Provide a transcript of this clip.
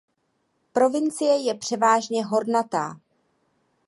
Provincie je převážně hornatá.